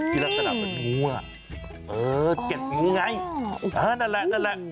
ที่เราจะนำเป็นงั่วเออเก็บงั่วไงนั่นแหละ